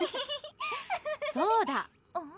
そうだ！